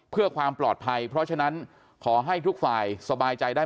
เพื่อความปลอดภัยเพราะฉะนั้นขอให้ทุกฝ่ายสบายใจได้